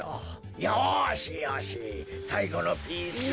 よしよしさいごのピースを。